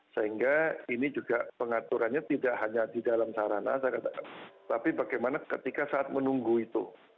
sehingga ini juga pengaturannya tidak hanya di dalam sarana tapi bagaimana ketika saat menunggu itu